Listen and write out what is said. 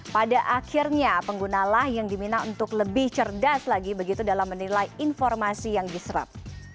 pada akhirnya penggunalah yang dimina untuk lebih cerdas lagi begitu dalam menilai informasi yang diserap